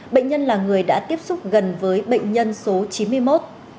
bệnh nhân là người đã tiếp xúc gần với bệnh nhân số chín mươi một